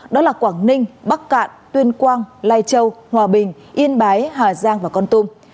đó là quảng ninh bắc cạn tuyên quang lai châu hòa bình yên bái hà giang và con tum